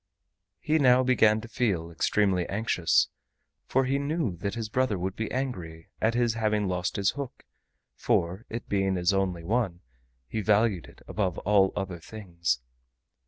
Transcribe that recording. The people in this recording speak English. He now began to feel extremely anxious, for he knew that his brother would be angry at his having lost his hook, for, it being his only one, he valued it above all other things.